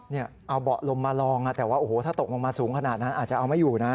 เอาเบาะลงมาลองอ่ะแต่ว่าถ้าตกลงมาสูงขนาดนั้นอาจจะเอาไม่อยู่นะ